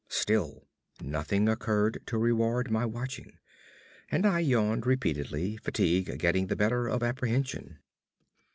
Still nothing occurred to reward my watching; and I yawned repeatedly, fatigue getting the better of apprehension.